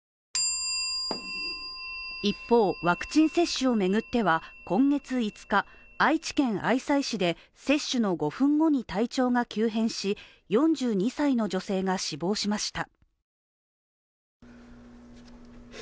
一方ワクチン接種を巡っては今月５日、愛知県愛西市で、接種の５分後に体調が急変し４２歳の女性が死亡しました。